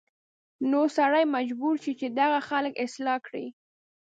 نو سړی مجبور شي چې دغه خلک اصلاح کړي